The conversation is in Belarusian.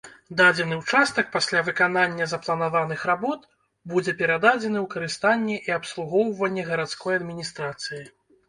Дадзены ўчастак пасля выканання запланаваных работ будзе перададзены ў карыстанне і абслугоўванне гарадской адміністрацыі.